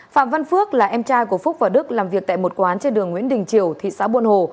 phạm văn phước là em trai của phúc và đức làm việc tại một quán trên đường nguyễn đình triều thị xã buôn hồ